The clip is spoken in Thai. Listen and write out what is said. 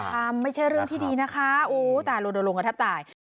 อย่าทำไม่ใช่เรื่องที่ดีนะคะโอ้แต่ลงกระทับตาย